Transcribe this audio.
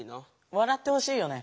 わらってほしいよね。